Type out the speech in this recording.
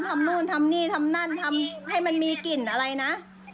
นู่นทำนี่ทำนั่นทำให้มันมีกลิ่นอะไรนะ